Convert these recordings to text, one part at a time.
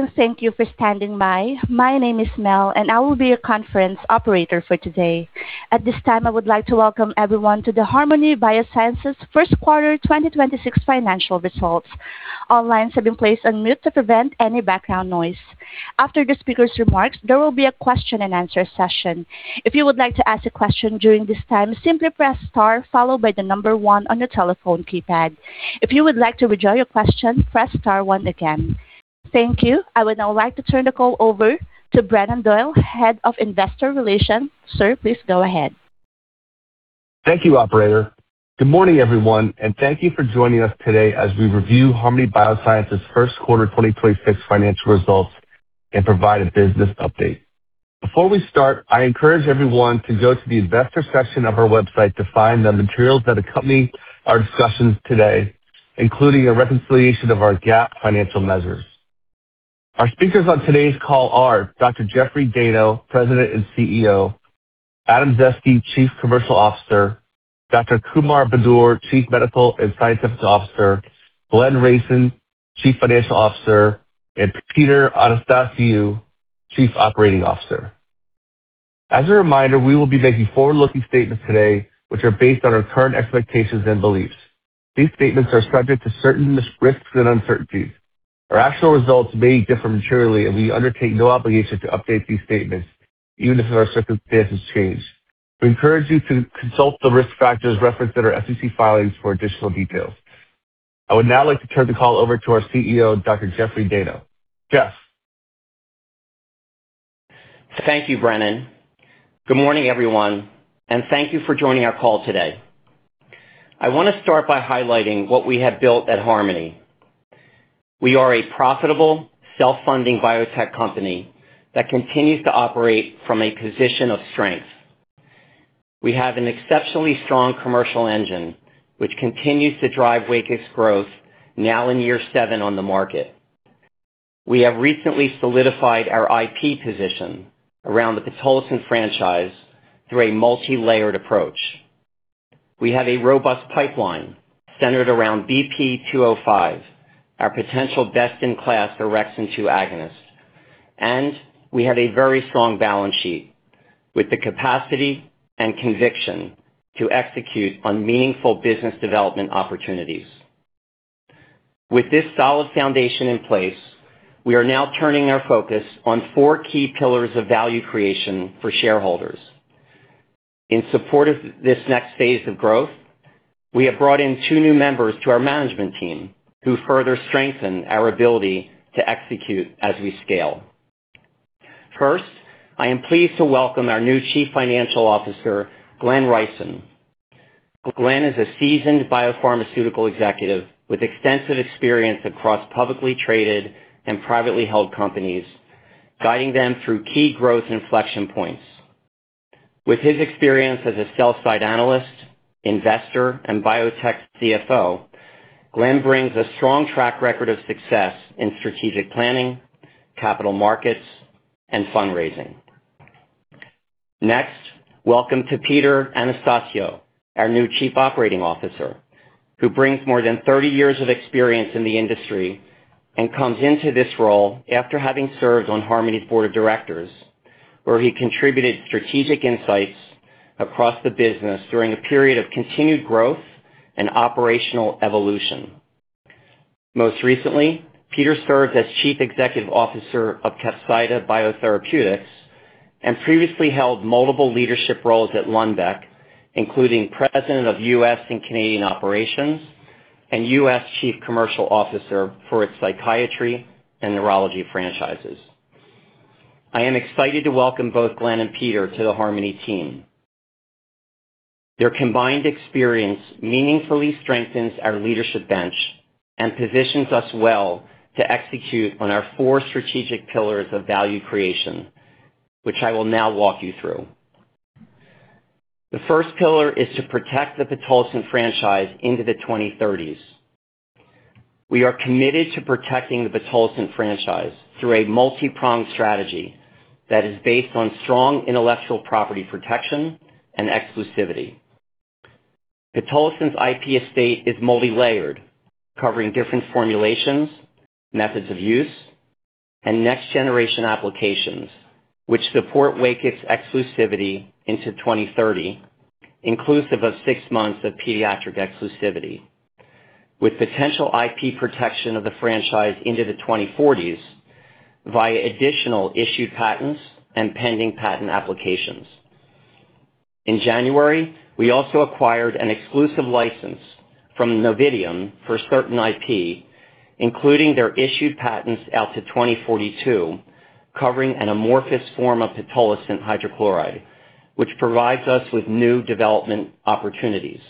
Hello, and thank you for standing by. My name is Mel, and I will be your conference operator for today. At this time, I would like to welcome everyone to the Harmony Biosciences first quarter 2026 financial results. All lines have been placed on mute to prevent any background noise. After the speaker's remarks, there will be a question and answer session. If you would like to ask a question during this time, simply press star followed by the number one on your telephone keypad. If you would like to withdraw your question, press star one again. Thank you. I would now like to turn the call over to Brennan Doyle, Head of Investor Relations. Sir, please go ahead. Thank you, operator. Good morning everyone, and thank you for joining us today as we review Harmony Biosciences first quarter 2026 financial results and provide a business update. Before we start, I encourage everyone to go to the investor section of our website to find the materials that accompany our discussions today including a reconciliation of our GAAP financial measures. Our speakers on today's call are Dr. Jeffrey Dayno, President and CEO, Adam Zaeske, Chief Commercial Officer, Dr. Kumar Budur, Chief Medical and Scientific Officer, Glenn Reicin, Chief Financial Officer, and Peter Anastasiou, Chief Operating Officer. As a reminder, we will be making forward-looking statements today which are based on our current expectations and beliefs. These statements are subject to certain risks and uncertainties. Our actual results may differ materially and we undertake no obligation to update these statements even if our circumstances change. We encourage you to consult the risk factors referenced in our SEC filings for additional details. I would now like to turn the call over to our CEO, Dr. Jeffrey Dayno. Jeff. Thank you, Brennan. Good morning everyone, and thank you for joining our call today. I want to start by highlighting what we have built at Harmony. We are a profitable, self-funding biotech company that continues to operate from a position of strength. We have an exceptionally strong commercial engine, which continues to drive WAKIX growth now in year seven on the market. We have recently solidified our IP position around the pitolisant franchise through a multi-layered approach. We have a robust pipeline centered around BP-205, our potential best-in-class orexin-2 agonist. We have a very strong balance sheet with the capacity and conviction to execute on meaningful business development opportunities. With this solid foundation in place, we are now turning our focus on four key pillars of value creation for shareholders. In support of this next phase of growth, we have brought in two new members to our management team who further strengthen our ability to execute as we scale. First, I am pleased to welcome our new Chief Financial Officer, Glenn Reicin. Glenn is a seasoned biopharmaceutical executive with extensive experience across publicly traded and privately held companies, guiding them through key growth inflection points. With his experience as a sell-side analyst, investor, and biotech CFO, Glenn brings a strong track record of success in strategic planning, capital markets, and fundraising. Next, welcome to Peter Anastasiou, our new Chief Operating Officer, who brings more than 30 years of experience in the industry and comes into this role after having served on Harmony's board of directors, where he contributed strategic insights across the business during a period of continued growth and operational evolution. Most recently, Peter served as Chief Executive Officer of Capsida Biotherapeutics and previously held multiple leadership roles at Lundbeck, including President of U.S. and Canadian operations and U.S. Chief Commercial Officer for its psychiatry and neurology franchises. I am excited to welcome both Glenn and Peter to the Harmony team. Their combined experience meaningfully strengthens our leadership bench and positions us well to execute on our four strategic pillars of value creation which I will now walk you through. The first pillar is to protect the pitolisant franchise into the 2030s. We are committed to protecting the pitolisant franchise through a multi-pronged strategy that is based on strong intellectual property protection and exclusivity. Pitolisant's IP estate is multi-layered, covering different formulations, methods of use, and next-generation applications which support WAKIX exclusivity into 2030, inclusive of six months of pediatric exclusivity, with potential IP protection of the franchise into the 2040s via additional issued patents and pending patent applications. In January, we also acquired an exclusive license from Novitium for certain IP including their issued patents out to 2042, covering an amorphous form of pitolisant hydrochloride, which provides us with new development opportunities.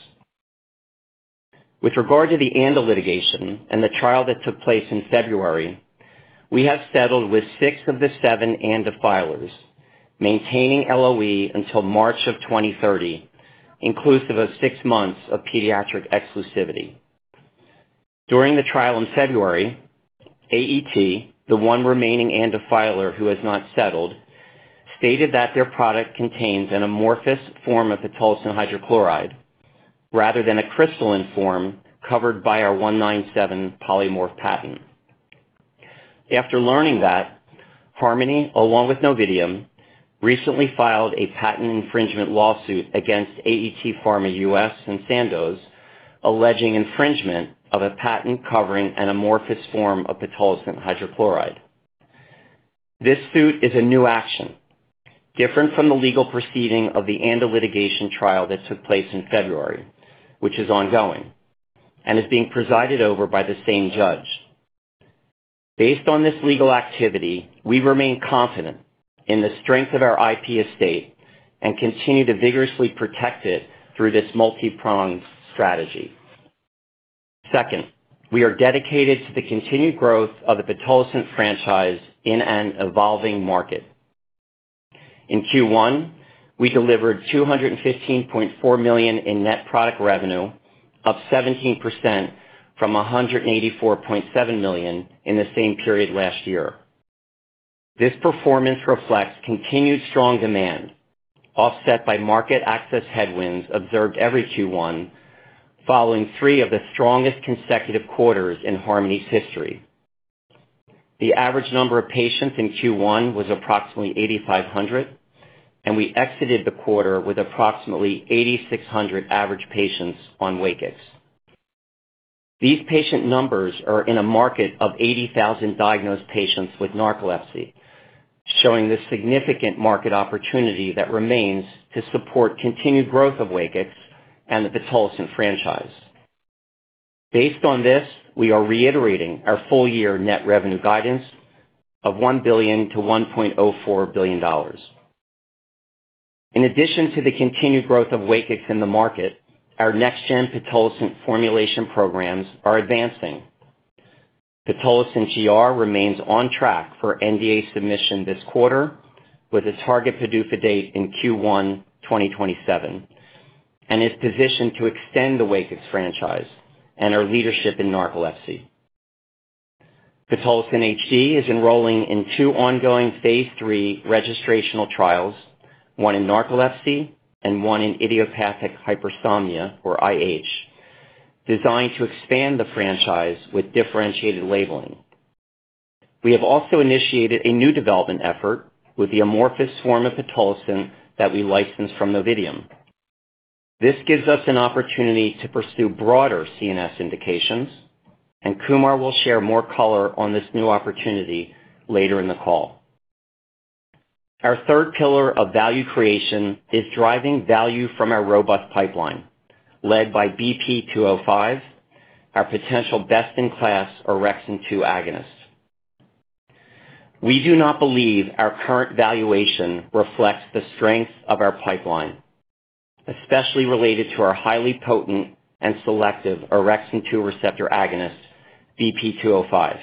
With regard to the ANDA litigation and the trial that took place in February, we have settled with six of the seven ANDA filers, maintaining LOE until March of 2030, inclusive of six months of pediatric exclusivity. During the trial in February, AET, the one remaining ANDA filer who has not settled, stated that their product contains an amorphous form of pitolisant hydrochloride rather than a crystalline form covered by our '197 polymorph patent. After learning that, Harmony, along with Novitium, recently filed a patent infringement lawsuit against AET Pharma US and Sandoz alleging infringement of a patent covering an amorphous form of pitolisant hydrochloride. This suit is a new action different from the legal proceeding of the ANDA litigation trial that took place in February, which is ongoing and is being presided over by the same judge. Based on this legal activity, we remain confident in the strength of our IP estate and continue to vigorously protect it through this multi-pronged strategy. Second, we are dedicated to the continued growth of the pitolisant franchise in an evolving market. In Q1, we delivered $215.4 million in net product revenue, up 17% from $184.7 million in the same period last year. This performance reflects continued strong demand. Offset by market access headwinds observed every Q1 following three of the strongest consecutive quarters in Harmony's history. The average number of patients in Q1 was approximately 8,500, and we exited the quarter with approximately 8,600 average patients on WAKIX. These patient numbers are in a market of 80,000 diagnosed patients with narcolepsy, showing the significant market opportunity that remains to support continued growth of WAKIX and the pitolisant franchise. Based on this, we are reiterating our full year net revenue guidance of $1 billion-$1.04 billion. In addition to the continued growth of WAKIX in the market, our next-gen pitolisant formulation programs are advancing. Pitolisant GR remains on track for NDA submission this quarter with a target PDUFA date in Q1 2027 and is positioned to extend the WAKIX franchise and our leadership in Narcolepsy. Pitolisant HD is enrolling in two ongoing phase III registrational trials, one in Narcolepsy and one in Idiopathic Hypersomnia, or IH, designed to expand the franchise with differentiated labeling. We have also initiated a new development effort with the amorphous form of pitolisant that we licensed from Novitium. This gives us an opportunity to pursue broader CNS indications. Kumar will share more color on this new opportunity later in the call. Our third pillar of value creation is driving value from our robust pipeline led by BP-205, our potential best-in-class orexin-2 agonist. We do not believe our current valuation reflects the strength of our pipeline especially, related to our highly potent and selective orexin-2 receptor agonist, BP-205.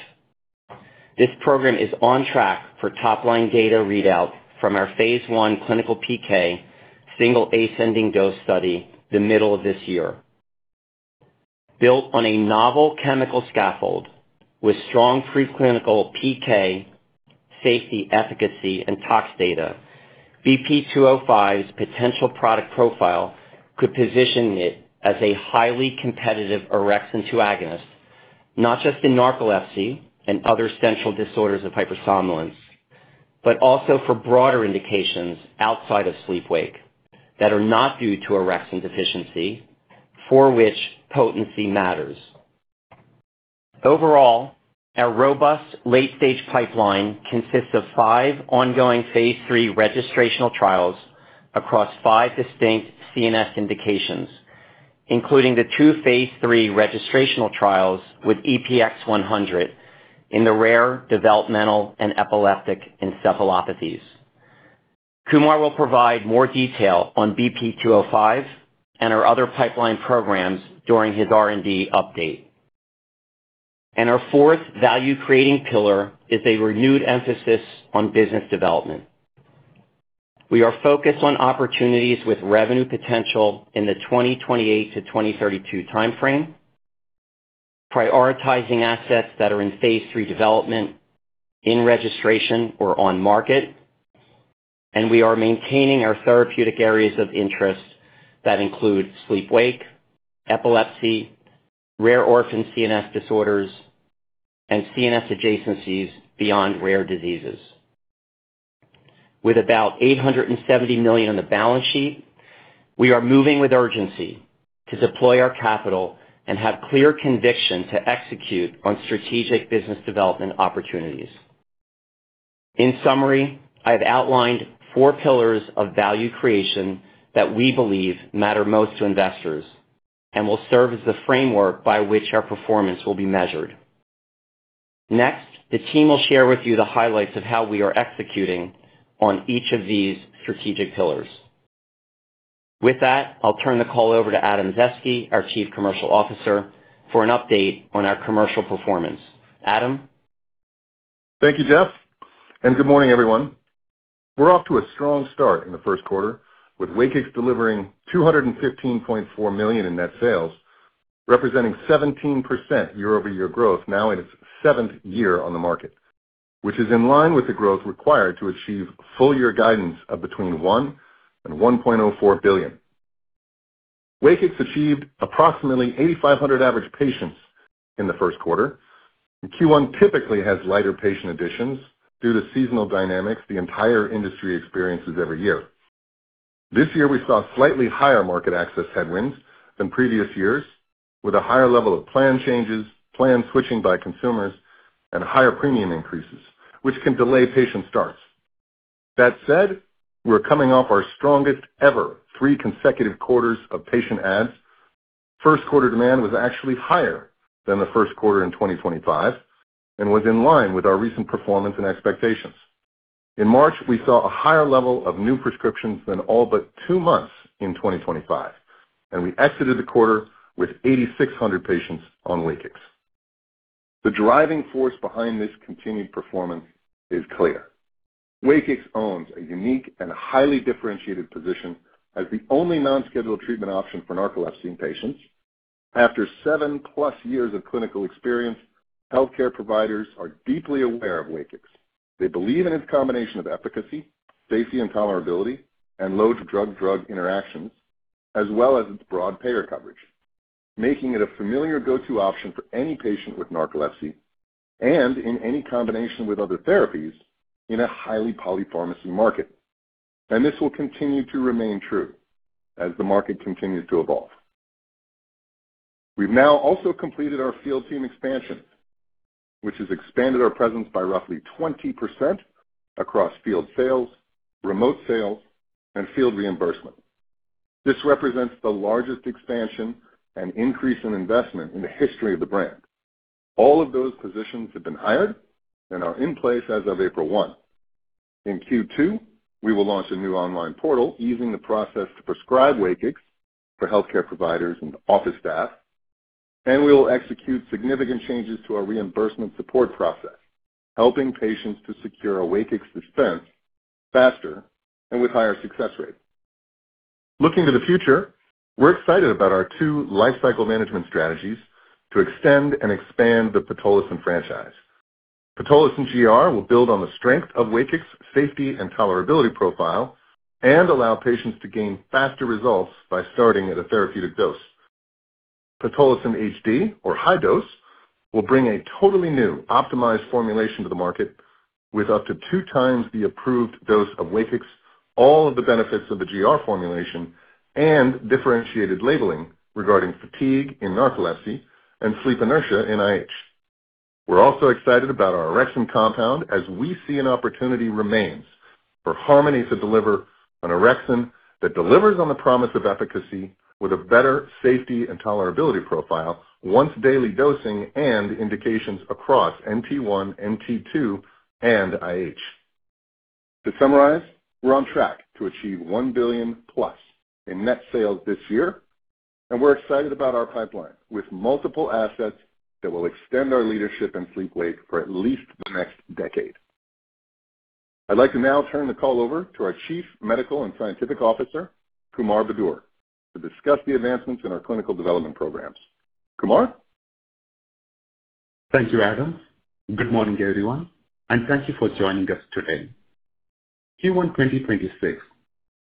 This program is on track for top-line data readout from our phase I clinical PK Single Ascending Dose study the middle of this year. Built on a novel chemical scaffold with strong preclinical PK, safety, efficacy, and tox data. BP-205's potential product profile could position it as a highly competitive orexin-2 agonist, not just in Narcolepsy and other Central Disorders of Hypersomnolence, but also for broader indications outside of sleep-wake that are not due to orexin deficiency for which potency matters. Overall, our robust late-stage pipeline consists of five ongoing phase III registrational trials across five distinct CNS indications, including the two phase III registrational trials with EPX-100 in the rare developmental and epileptic encephalopathies. Kumar will provide more detail on BP-205 and our other pipeline programs during his R&D update. Our fourth value-creating pillar is a renewed emphasis on business development. We are focused on opportunities with revenue potential in the 2028 to 2032 timeframe, prioritizing assets that are in phase III development in registration or on market. We are maintaining our therapeutic areas of interest that include sleep-wake, epilepsy, rare orphan CNS disorders, and CNS adjacencies beyond rare diseases. With about $870 million on the balance sheet, we are moving with urgency to deploy our capital and have clear conviction to execute on strategic business development opportunities. In summary, I've outlined four pillars of value creation that we believe matter most to investors and will serve as the framework by which our performance will be measured. Next, the team will share with you the highlights of how we are executing on each of these strategic pillars. With that, I'll turn the call over to Adam Zaeske, our Chief Commercial Officer, for an update on our commercial performance. Adam? Thank you, Jeff. Good morning, everyone. We're off to a strong start in the first quarter with WAKIX delivering $215.4 million in net sales. Representing 17% year-over-year growth now in its 17th year on the market, which is in line with the growth required to achieve full year guidance of between $1 billion and $1.04 billion. WAKIX achieved approximately 8,500 average patients in the first quarter. Q1 typically has lighter patient additions due to seasonal dynamics the entire industry experiences every year. This year, we saw slightly higher market access headwinds than previous years with a higher level of plan changes, plan switching by consumers, and higher premium increases which can delay patient starts. That said, we're coming off our strongest ever three consecutive quarters of patient adds. First quarter demand was actually higher than the first quarter in 2025 and was in line with our recent performance and expectations. In March, we saw a higher level of new prescriptions than all but two months in 2025, and we exited the quarter with 8,600 patients on WAKIX. The driving force behind this continued performance is clear. WAKIX owns a unique and highly differentiated position as the only non-scheduled treatment option for Narcolepsy patients. After seven-plus years of clinical experience, healthcare providers are deeply aware of WAKIX. They believe in its combination of efficacy, safety, and tolerability, and low drug-drug interactions, as well as its broad payer coverage, making it a familiar go-to option for any patient with Narcolepsy and in any combination with other therapies in a highly polypharmacy market. This will continue to remain true as the market continues to evolve. We've now also completed our field team expansion which has expanded our presence by roughly 20% across field sales, remote sales, and field reimbursement. This represents the largest expansion and increase in investment in the history of the brand. All of those positions have been hired and are in place as of April 1. In Q2, we will launch a new online portal easing the process to prescribe WAKIX for healthcare providers and office staff. We will execute significant changes to our reimbursement support process, helping patients to secure a WAKIX prescription faster and with higher success rates. Looking to the future, we're excited about our two lifecycle management strategies to extend and expand the pitolisant franchise. Pitolisant GR will build on the strength of WAKIX safety and tolerability profile and allow patients to gain faster results by starting at a therapeutic dose. Pitolisant HD or High Dose will bring a totally new optimized formulation to the market with up to two times the approved dose of WAKIX, all of the benefits of the GR formulation, and differentiated labeling regarding fatigue in Narcolepsy and sleep inertia in IH. We're also excited about our orexin compound as we see an opportunity remains for Harmony to deliver an orexin that delivers on the promise of efficacy with a better safety and tolerability profile, once daily dosing, and indications across NT1, NT2, and IH. To summarize, we're on track to achieve $1 billion-plus in net sales this year, and we're excited about our pipeline with multiple assets that will extend our leadership in sleep wake for at least the next decade. I'd like to now turn the call over to our Chief Medical and Scientific Officer, Kumar Budur, to discuss the advancements in our clinical development programs. Kumar? Thank you, Adam Zaeske. Good morning, everyone, and thank you for joining us today. Q1 2026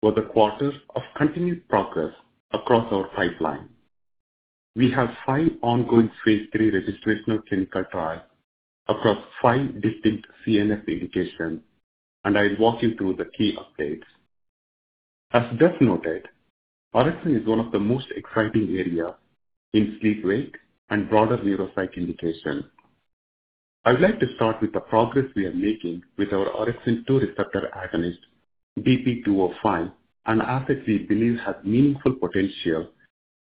was a quarter of continued progress across our pipeline. We have five ongoing phase III registrational clinical trials across five distinct CNS indications. I'll walk you through the key updates. As just noted, orexin is one of the most exciting areas in sleep-wake and broader neuropsychiatric indications. I would like to start with the progress we are making with our orexin-2 receptor agonist, BP-205, an asset we believe has meaningful potential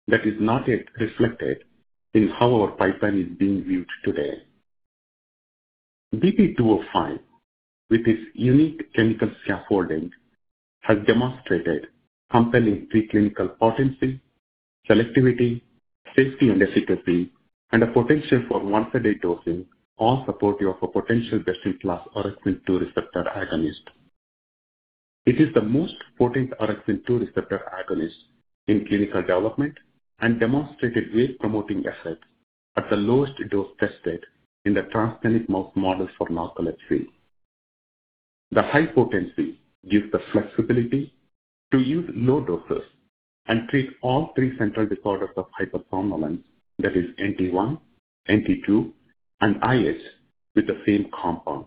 that is not yet reflected in how our pipeline is being viewed today. BP-205, with its unique chemical scaffolding has demonstrated compelling preclinical potency, selectivity, safety, and efficacy, and a potential for once-a-day dosing, all supportive of a potential best-in-class orexin-2 receptor agonist. It is the most potent orexin-2 receptor agonist in clinical development and demonstrated wake-promoting effect at the lowest dose tested in the transgenic mouse models for Narcolepsy. The high potency gives the flexibility to use low doses and treat all three Central Disorders of Hypersomnolence, that is NT1, NT2, and IH with the same compound.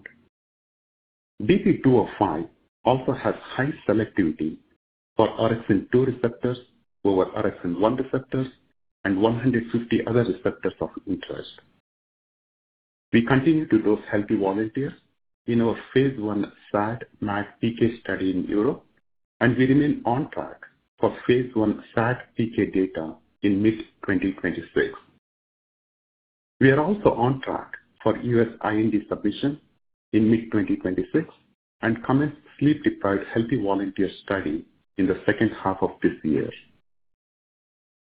BP-205 also has high selectivity for orexin-2 receptors over orexin-1 receptors and 150 other receptors of interest. We continue to dose healthy volunteers in our phase I SAD MAD PK study in Europe, and we remain on track for phase I SAD PK data in mid 2026. We are also on track for U.S. IND submission in mid 2026 and commence sleep-deprived healthy volunteer study in the second half of this year.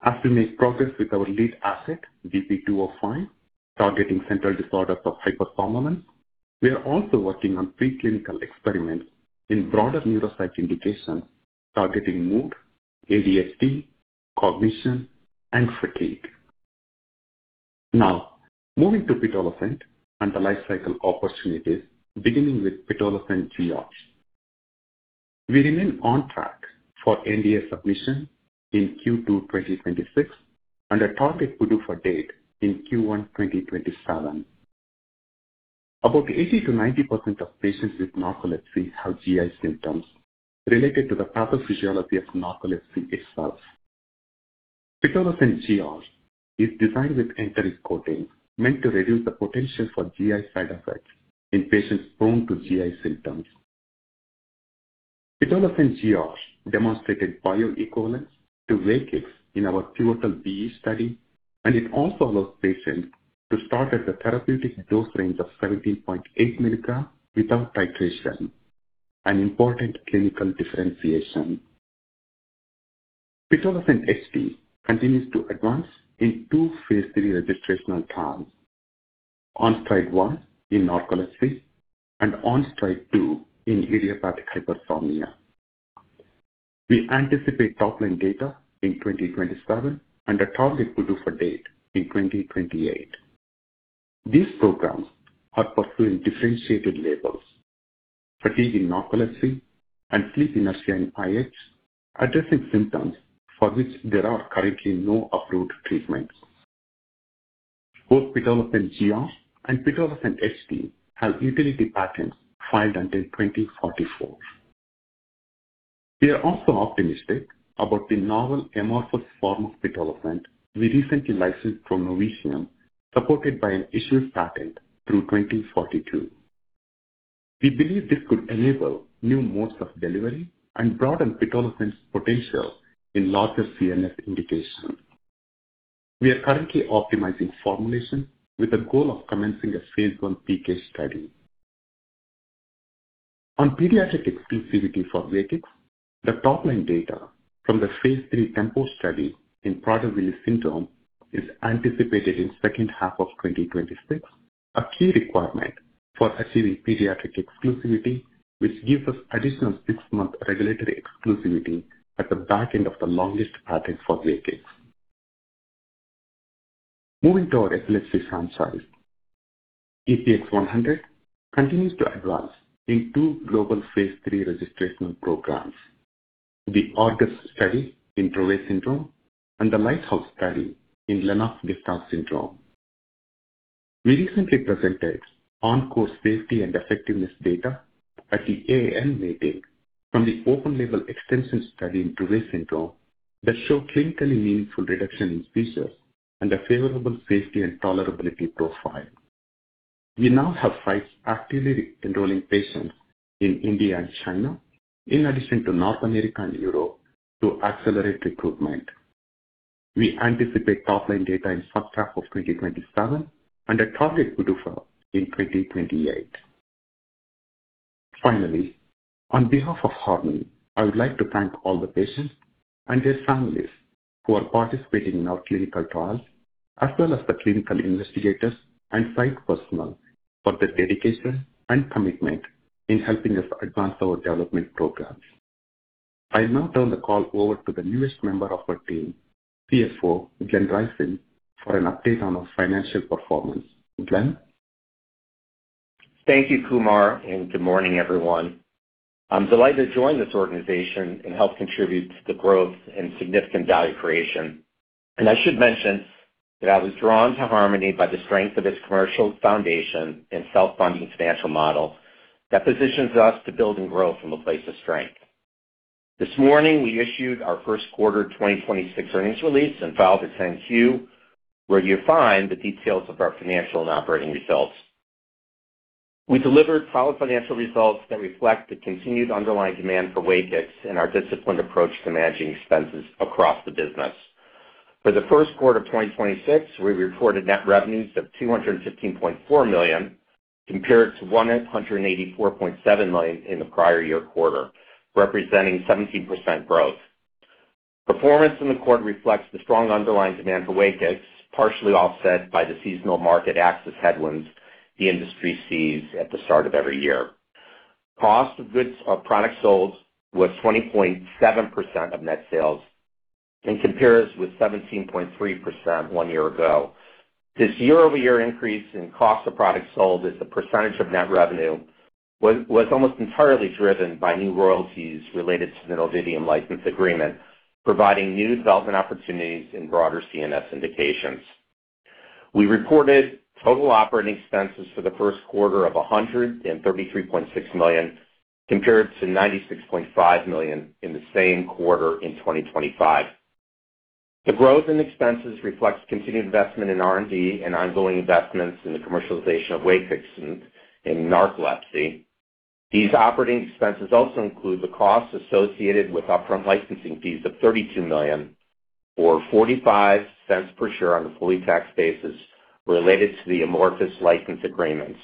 As we make progress with our lead asset, BP-205, targeting Central Disorders of Hpersomnolence. We are also working on preclinical experiments in broader neuropsych indications targeting mood, ADHD, cognition, and fatigue. Moving to pitolisant and the life cycle opportunities, beginning with Pitolisant GR. We remain on track for NDA submission in Q2 2026 and a target PDUFA date in Q1 2027. About 80% to 90% of patients with Narcolepsy have GI symptoms related to the pathophysiology of Narcolepsy itself. Pitolisant GR is designed with enteric coating meant to reduce the potential for GI side effects in patients prone to GI symptoms. Pitolisant GR demonstrated bioequivalence to WAKIX in our pivotal BE study, and it also allows patients to start at the therapeutic dose range of 17.8 mg without titration, an important clinical differentiation. Pitolisant HD continues to advance in two phase III registrational trials. ONSTRIDE 1 in Narcolepsy and ONSTRIDE 2 in Idiopathic Hypersomnia. We anticipate top-line data in 2027 and a target PDUFA date in 2028. These programs are pursuing differentiated labels, fatigue in Narcolepsy and sleep inertia in IH, addressing symptoms for which there are currently no approved treatments. Both pitolisant GR and pitolisant HD have utility patents filed until 2044. We are also optimistic about the novel amorphous form of pitolisant we recently licensed from Novitium, supported by an issued patent through 2042. We believe this could enable new modes of delivery and broaden pitolisant's potential in larger CNS indications. We are currently optimizing formulation with the goal of commencing a phase I PK study. On pediatric exclusivity for WAKIX, the top-line data from the phase III TEMPO study in Prader-Willi syndrome is anticipated in second half of 2026. A key requirement for achieving pediatric exclusivity, which gives us additional six-month regulatory exclusivity at the back end of the longest patent for WAKIX. Moving to our epilepsy franchise. EPX-100 continues to advance in two global phase III registrational programs. The ARGUS study in Dravet Syndrome and the LIGHTHOUSE study in Lennox-Gastaut syndrome. We recently presented on-course safety and effectiveness data at the AAN meeting from the open-label extension study in Dravet syndrome that show clinically meaningful reduction in seizures and a favorable safety and tolerability profile. We now have sites actively enrolling patients in India and China in addition to North America and Europe to accelerate recruitment. We anticipate top-line data in sub half of 2027 and a target PDUFA in 2028. Finally, on behalf of Harmony Biosciences, I would like to thank all the patients and their families who are participating in our clinical trials as well as the clinical investigators and site personnel for their dedication and commitment in helping us advance our development programs. I'll now turn the call over to the newest member of our team, CFO Glenn Reicin, for an update on our financial performance. Glenn. Thank you, Kumar. Good morning, everyone. I'm delighted to join this organization and help contribute to the growth and significant value creation. I should mention that I was drawn to Harmony by the strength of its commercial foundation and self-funding financial model that positions us to build and grow from a place of strength. This morning, we issued our first quarter 2026 earnings release and filed a 10-Q, where you'll find the details of our financial and operating results. We delivered solid financial results that reflect the continued underlying demand for WAKIX and our disciplined approach to managing expenses across the business. For the first quarter of 2026, we reported net revenues of $215.4 million, compared to $184.7 million in the prior year quarter, representing 17% growth. Performance in the quarter reflects the strong underlying demand for WAKIX, partially offset by the seasonal market access headwinds the industry sees at the start of every year. Cost of goods or products sold was 20.7% of net sales and compares with 17.3% one year ago. This year-over-year increase in cost of products sold as a percentage of net revenue was almost entirely driven by new royalties related to the Novitium license agreement, providing new development opportunities in broader CNS indications. We reported total Operating Expenses for the first quarter of $133.6 million, compared to $96.5 million in the same quarter in 2025. The growth in expenses reflects continued investment in R&D and ongoing investments in the commercialization of WAKIX in narcolepsy. These Operating Expenses also include the costs associated with upfront licensing fees of $32 million, or $0.45 per share on a fully taxed basis, related to the amorphous license agreements.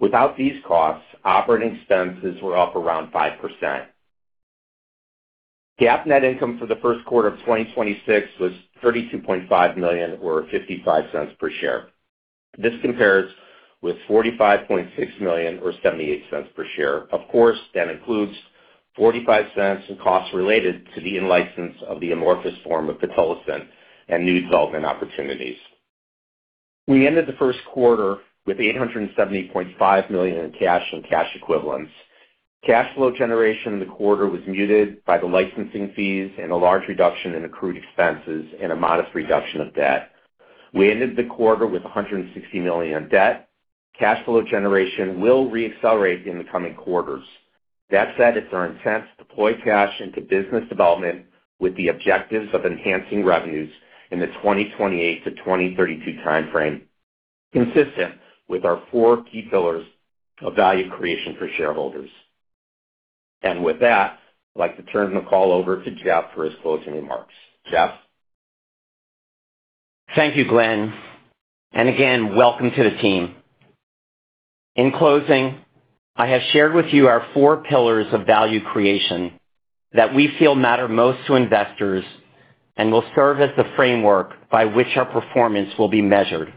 Without these costs, Operating Expenses were up around 5%. GAAP net income for the first quarter of 2026 was $32.5 million or $0.55 per share. This compares with $45.6 million or $0.78 per share. Of course, that includes $0.45 in costs related to the in-license of the amorphous form of pitolisant and new development opportunities. We ended the first quarter with $878.5 million in cash and cash equivalents. Cash flow generation in the quarter was muted by the licensing fees and a large reduction in accrued expenses and a modest reduction of debt. We ended the quarter with $160 million in debt. Cash flow generation will re-accelerate in the coming quarters. That said, it's our intent to deploy cash into business development with the objectives of enhancing revenues in the 2028 to 2032 timeframe, consistent with our four key pillars of value creation for shareholders. With that, I'd like to turn the call over to Jeff for his closing remarks. Jeff? Thank you, Glenn, and again, welcome to the team. In closing, I have shared with you our four pillars of value creation that we feel matter most to investors and will serve as the framework by which our performance will be measured.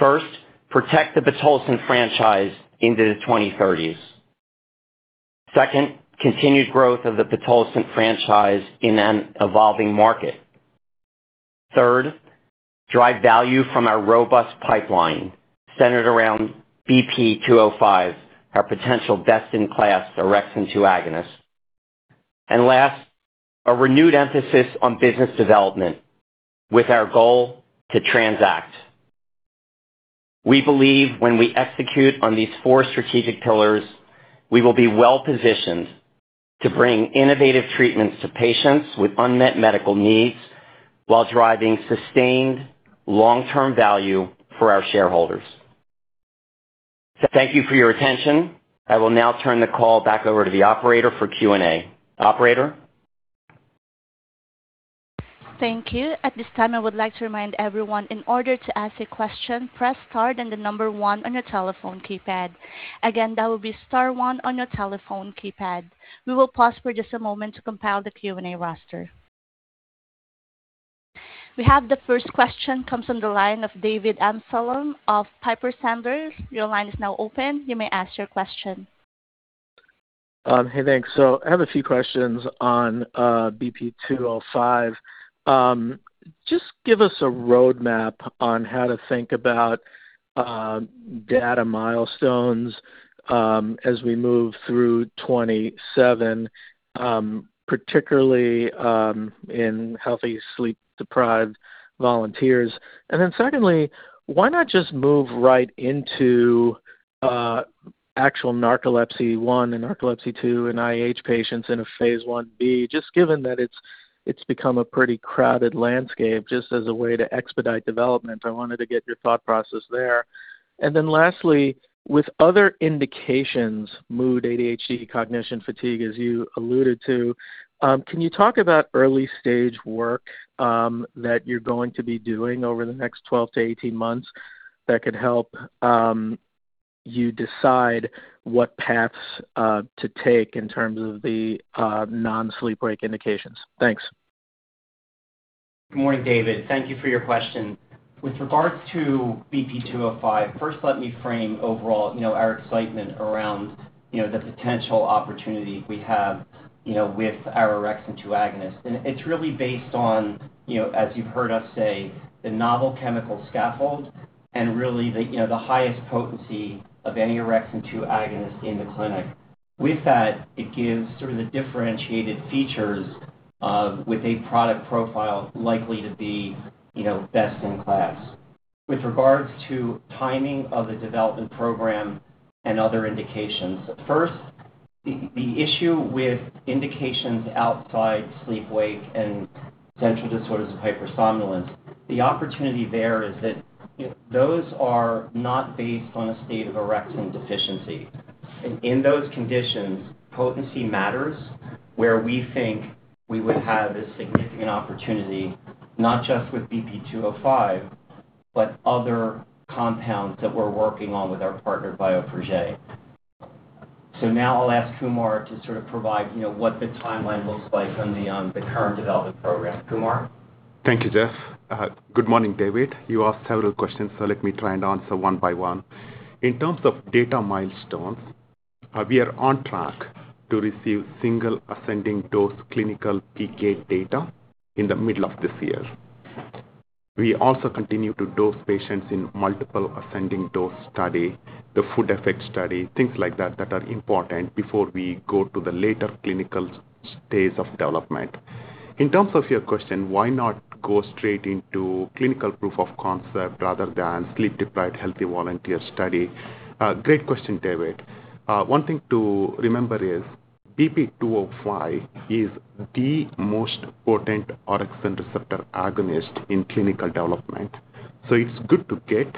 First, protect the pitolisant franchise into the 2030s. Second, continued growth of the pitolisant franchise in an evolving market. Third, drive value from our robust pipeline centered around BP-205, our potential best-in-class orexin-2 agonist. Last, a renewed emphasis on business development with our goal to transact. We believe when we execute on these four strategic pillars, we will be well-positioned to bring innovative treatments to patients with unmet medical needs while driving sustained long-term value for our shareholders. Thank you for your attention. I will now turn the call back over to the operator for Q&A. Operator? Thank you. At this time, I would like to remind everyone. In order to ask a question, press star then the number one on your telephone keypad. Again, that will be star one on your telephone keypad. We will pause for just a moment to compile the Q&A roster. We have the first question, comes from the line of David Amsellem of Piper Sandler. Your line is now open. You may ask your question. Hey, thanks. I have a few questions on BP-205. Just give us a roadmap on how to think about data milestones as we move through 2027, particularly in healthy sleep-deprived volunteers. Secondly, why not just move right into actual Narcolepsy 1 and Narcolepsy 2 in IH patients in a phase I-B, just given that it's become a pretty crowded landscape, just as a way to expedite development. I wanted to get your thought process there. Lastly, with other indications, mood, ADHD, cognition, fatigue, as you alluded to, can you talk about early stage work that you're going to be doing over the next 12 to 18 months that could help you decide what paths to take in terms of the non-sleep break indications? Thanks. Good morning, David. Thank you for your question. With regards to BP-205, first, let me frame overall, you know, our excitement around, you know, the potential opportunity we have with our orexin-2 agonist. It's really based on, you know, as you've heard us say, the novel chemical scaffold and really the, you know, the highest potency of any orexin-2 agonist in the clinic. With that, it gives sort of the differentiated features of with a product profile likely to be, you know, best in class. With regards to timing of the development program and other indications, first, the issue with indications outside sleep-wake and Central Disorders of Hypersomnolence, the opportunity there is that those are not based on a state of orexin deficiency. In those conditions, potency matters where we think we would have a significant opportunity, not just with BP-205, but other compounds that we're working on with our partner, Bioprojet. Now I'll ask Kumar to sort of provide, you know, what the timeline looks like on the current development program. Kumar? Thank you, Jeffrey. Good morning, David Amsellem. You asked several questions. Let me try and answer one by one. In terms of data milestones, we are on track to receive Single Ascending Dose clinical PK data in the middle of this year. We also continue to dose patients in Multiple Ascending Dose study, the food effect study, things like that that are important before we go to the later clinical stage of development. In terms of your question, why not go straight into clinical proof of concept rather than sleep-deprived healthy volunteer study? Great question, David. One thing to remember is BP-205 is the most potent orexin receptor agonist in clinical development. It's good to get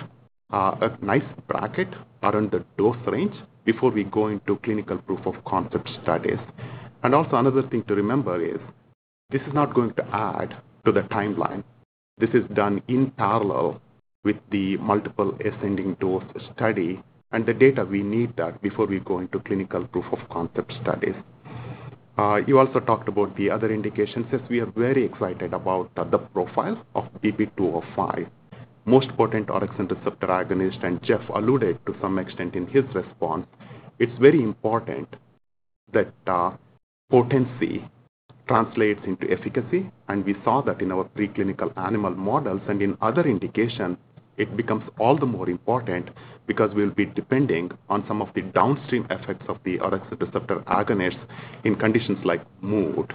a nice bracket around the dose range before we go into clinical proof of concept studies. Also another thing to remember is. This is not going to add to the timeline. This is done in parallel with the Multiple Ascending Dose study and the data we need that before we go into clinical proof of concept studies. You also talked about the other indications. Yes, we are very excited about the profile of BP-205. Most potent orexin receptor agonist. Jeff alluded to some extent in his response. It's very important that potency translates into efficacy and we saw that in our preclinical animal models and in other indication, it becomes all the more important because we'll be depending on some of the downstream effects of the orexin receptor agonists in conditions like mood,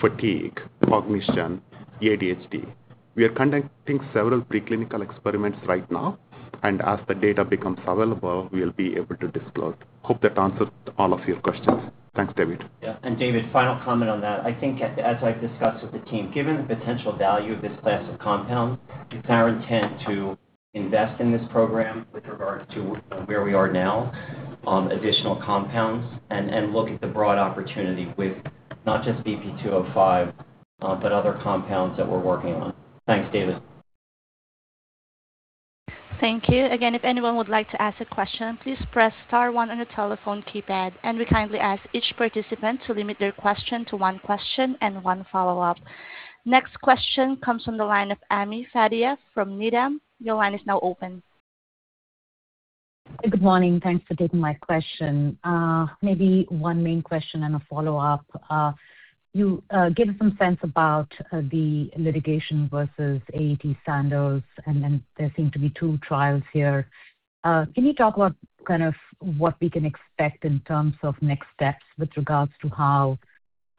fatigue, cognition, ADHD. We are conducting several preclinical experiments right now, and as the data becomes available, we'll be able to disclose. Hope that answered all of your questions. Thanks, David. Yeah. David, final comment on that. I think as I've discussed with the team, given the potential value of this class of compounds, it's our intent to invest in this program with regard to where we are now on additional compounds and look at the broad opportunity with not just BP-205, but other compounds that we're working on. Thanks, David. Thank you. Again, if anyone would like to ask a question, please press star one on your telephone keypad. We kindly ask each participant to limit their question to one question and one follow-up. Next question comes from the line of Ami Fadia from Needham. Your line is now open. Good morning. Thanks for taking my question. Maybe one main question and a follow-up. You gave some sense about the litigation versus AET/Sandoz, and then there seem to be two trials here. Can you talk about kind of what we can expect in terms of next steps with regards to how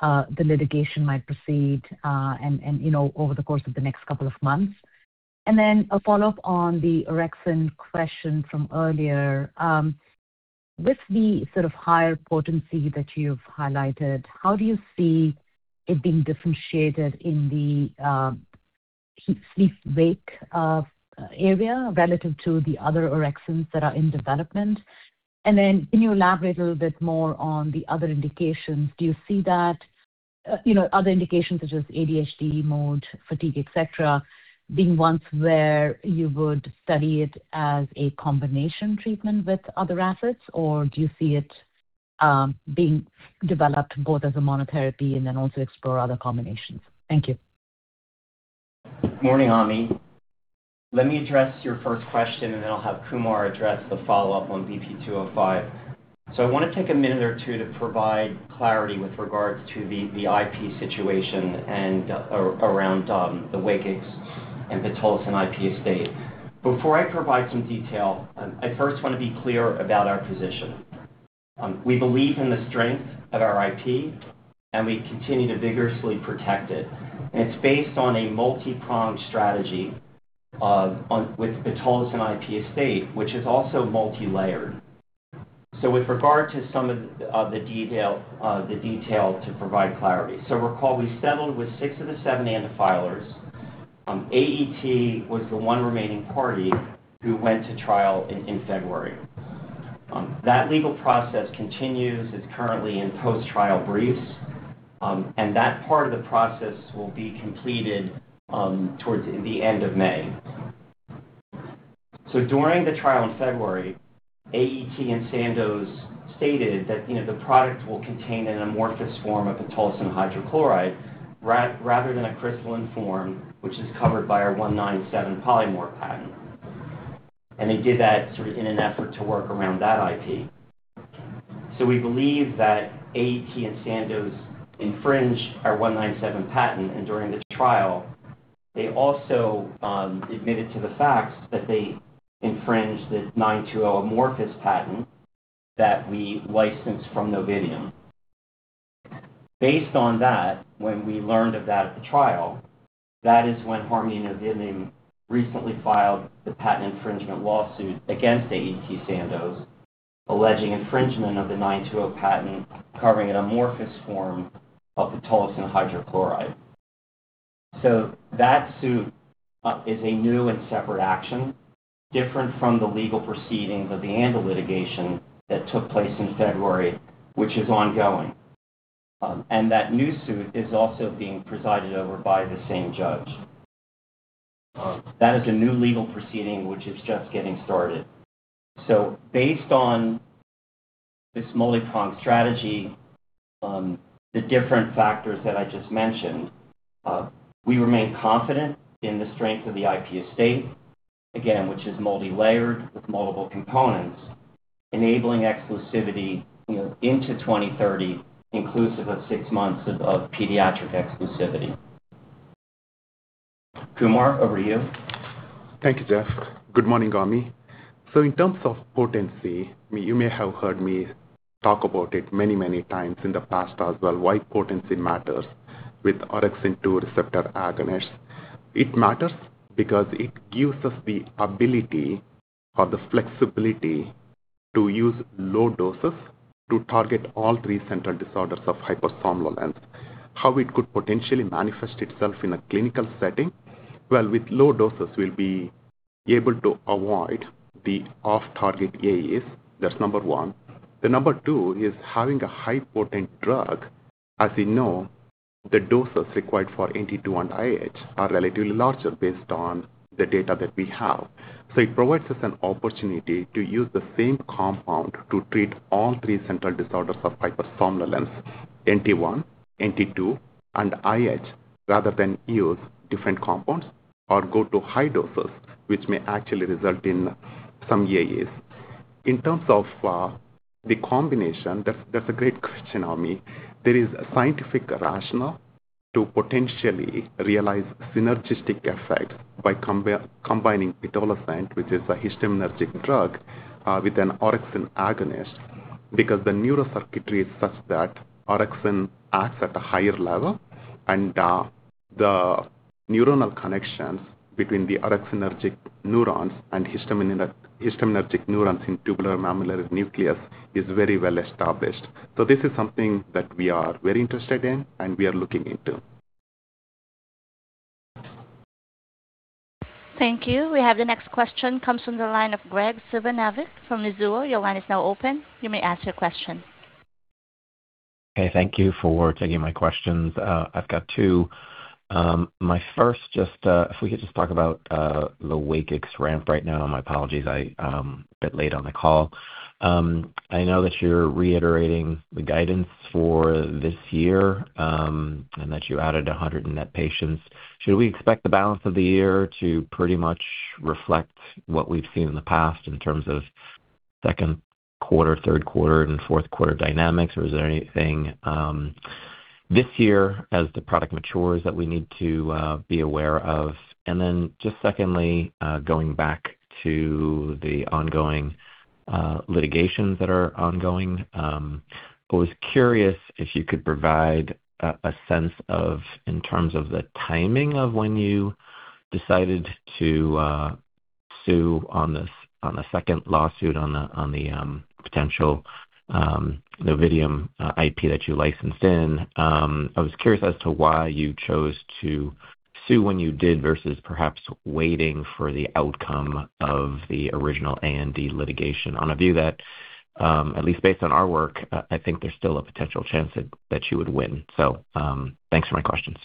the litigation might proceed, and, you know, over the course of the next couple of months? A follow-up on the orexin question from earlier. With the sort of higher potency that you've highlighted, how do you see it being differentiated in the sleep-wake area relative to the other orexins that are in development? Can you elaborate a little bit more on the other indications? Do you see that, you know, other indications such as ADHD, mood, fatigue, et cetera, being ones where you would study it as a combination treatment with other assets? Do you see it being developed both as a monotherapy and then also explore other combinations? Thank you. Morning, Ami. Let address your first question and then I'll have Kumar address the follow-up on BP-205. I want to take a minute or two to provide clarity with regards to the IP situation around the WAKIX and pitolisant IP estate. Before I provide some detail, I first want to be clear about our position. We believe in the strength of our IP, and we continue to vigorously protect it. It's based on a multi-pronged strategy with pitolisant IP estate, which is also multi-layered. With regard to some of the detail, the detail to provide clarity. Recall we settled with six of the seven ANDA filers. AET was the one remaining party who went to trial in February. That legal process continues. It's currently in post-trial briefs. That part of the process will be completed towards the end of May. During the trial in February, AET and Sandoz stated that, you know, the product will contain an amorphous form of pitolisant hydrochloride rather than a crystalline form, which is covered by our '197 polymorph patent. They did that sort of in an effort to work around that IP. We believe that AET and Sandoz infringed our '197 patent, and during the trial, they also admitted to the facts that they infringed the '920 amorphous patent that we licensed from Novitium. Based on that, when we learned of that at the trial, that is when Harmony and Novitium recently filed the patent infringement lawsuit against AET/Sandoz alleging infringement of the '920 patent covering an amorphous form of pitolisant hydrochloride. That suit is a new and separate action, different from the legal proceedings of the ANDA litigation that took place in February, which is ongoing. That new suit is also being presided over by the same judge. That is a new legal proceeding which is just getting started. Based on this multi-pronged strategy, the different factors that I just mentioned, we remain confident in the strength of the IP estate, again, which is multi-layered with multiple components, enabling exclusivity, you know, into 2030, inclusive of six months of pediatric exclusivity. Kumar, over to you. Thank you, Jeff. Good morning, Ami. In terms of potency, you may have heard me talk about it many, many times in the past as well, why potency matters with orexin-2 receptor agonists. It matters because it gives us the ability or the flexibility to use low doses to target all three Central Disorders of Hypersomnolence. How it could potentially manifest itself in a clinical setting? Well, with low doses, we'll be able to avoid the off-target AEs. That's number one. The number two, is having a high-potent drug. As you know, the doses required for NT2 and IH are relatively larger based on the data that we have. It provides us an opportunity to use the same compound to treat all three Central Disorders of Hypersomnolence, NT1, NT2, and IH, rather than use different compounds or go to high doses, which may actually result in some AEs. In terms of the combination, that's a great question, Ami. There is a scientific rationale to potentially realize synergistic effects by combining pitolisant which is a histaminergic drug, with an orexin agonist because the neurocircuitry is such that orexin acts at a higher level, and the neuronal connections between the orexinergic neurons and histaminergic neurons in tuberomammillary nucleus is very well established. This is something that we are very interested in and we are looking into. Thank you. We have the next question comes from the line of Gregg Moskowitz from Mizuho. Your line is now open. You may ask your question. Okay. Thank you for taking my questions. I've got two. My first just, if we could just talk about the WAKIX ramp right now. My apologies, I a bit late on the call. I know that you're reiterating the guidance for this year, and that you added 100 net patients. Should we expect the balance of the year to pretty much reflect what we've seen in the past in terms of second quarter, third quarter, and fourth quarter dynamics? Is there anything this year as the product matures that we need to be aware of? Just secondly, going back to the ongoing litigations that are ongoing, I was curious if you could provide a sense of in terms of the timing of when you decided to sue on this, on a second lawsuit on the potential Novitium IP that you licensed in. I was curious as to why you chose to sue when you did versus perhaps waiting for the outcome of the original ANDA litigation on a view that, at least based on our work, I think there's still a potential chance that you would win. Thanks for my questions.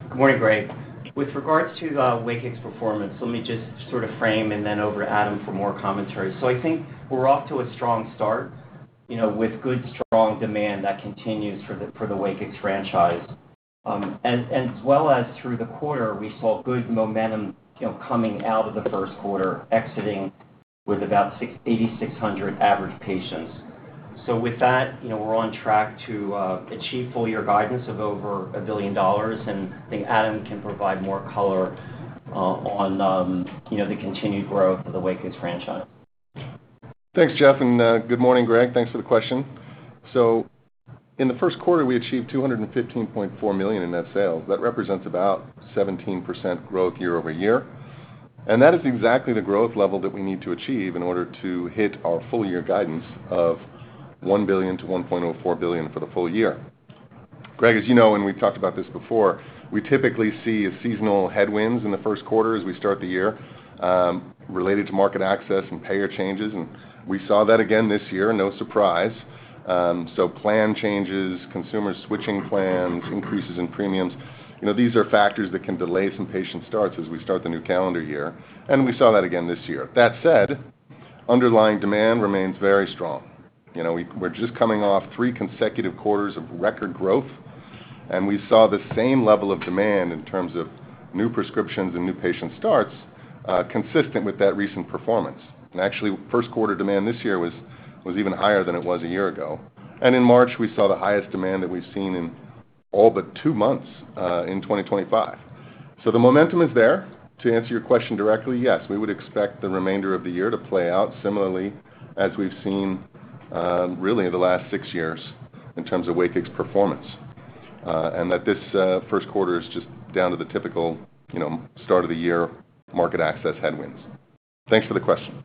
Good morning, Gregg. With regards to WAKIX performance, let me just sort of frame and then over Adam Zaeske for more commentary. I think we're off to a strong start, you know, with good strong demand that continues for the WAKIX franchise. As well as through the quarter, we saw good momentum coming out of the first quarter exiting with about 8,600 average patients. With that, you know, we're on track to achieve full year guidance of over $1 billion, and I think Adam Zaeske can provide more color on, you know, the continued growth of the WAKIX franchise. Thanks, Jeff, good morning, Greg. Thanks for the question. In the first quarter, we achieved $215.4 million in net sales. That represents about 17% growth year-over-year, that is exactly the growth level that we need to achieve in order to hit our full year guidance of $1 billion-$1.04 billion for the full year. Greg, as you know, we've talked about this before, we typically see a seasonal headwinds in the first quarter as we start the year, related to market access and payer changes, we saw that again this year, no surprise. Plan changes, consumer switching plans, increases in premiums, you know, these are factors that can delay some patient starts as we start the new calendar year, we saw that again this year. That said, underlying demand remains very strong. You know, we're just coming off three consecutive quarters of record growth, and we saw the same level of demand in terms of new prescriptions and new patient starts, consistent with that recent performance. Actually first quarter demand this year was even higher than it was a year ago. In March, we saw the highest demand that we've seen in all but two months in 2025. The momentum is there. To answer your question directly, yes, we would expect the remainder of the year to play out similarly as we've seen, really in the last six years in terms of WAKIX performance. That this, first quarter is just down to the typical, you know, start of the year market access headwinds. Thanks for the question.